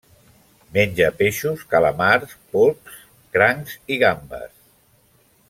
Menja peixos, calamars, polps, crancs i gambes.